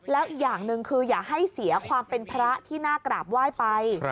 แล้วอีกอย่างหนึ่งคืออย่าให้เสียความเป็นพระที่น่ากราบไหว้ไป